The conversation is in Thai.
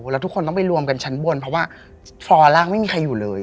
แล้วทุกคนต้องไปรวมกันชั้นบนเพราะว่าฟอร์ล่างไม่มีใครอยู่เลย